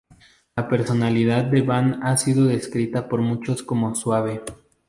La personalidad de Ban ha sido descrita por muchos como suave.